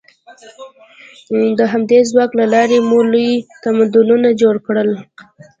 د همدې ځواک له لارې مو لوی تمدنونه جوړ کړل.